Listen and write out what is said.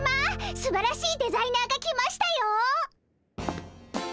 すばらしいデザイナーが来ましたよ。